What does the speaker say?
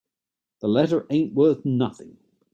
The letter ain't worth nothing.